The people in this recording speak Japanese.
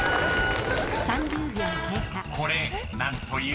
［これ何という？］